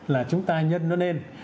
là chúng ta nhân nó lên